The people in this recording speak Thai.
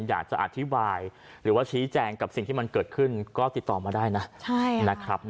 อยากจะอธิบายหรือว่าชี้แจงกับสิ่งที่มันเกิดขึ้นก็ติดต่อมาได้นะนะครับ